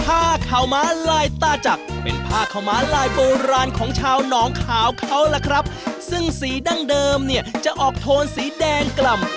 ผ้าขาวม้าลายตาจักรเป็นผ้าขาวม้าลายโบราณของชาวหนองขาวเขาล่ะครับซึ่งสีดั้งเดิมเนี่ยจะออกโทนสีแดงกล่ำ